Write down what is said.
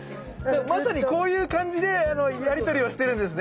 まさにこういう感じでやり取りをしてるんですね。